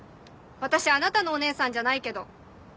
私あなたのお姉さんじゃないけど。